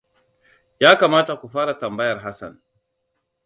Ya kamata ku fara tambayar Hassan.